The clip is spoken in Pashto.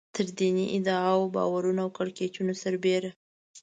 تر دیني ادعاوو، باورونو او کړکېچونو سربېره.